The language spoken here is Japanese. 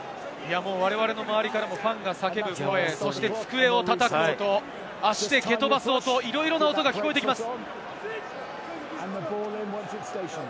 我々の周りからも、ファンが叫ぶ声、机をたたく音、足で蹴とばす音、いろいろな音が聞こえてきます。